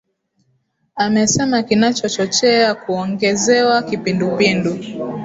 amesema kinachochochea kuongezewa kipindupindu